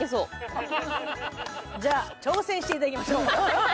じゃあ挑戦していただきましょう。